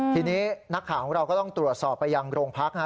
ทีนี้นักข่าวของเราก็ต้องตรวจสอบไปยังโรงพัก